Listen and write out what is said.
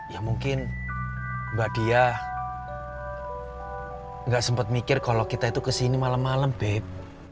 ya mungkin mbak dia gak sempet mikir kalo kita itu kesini malem malem beb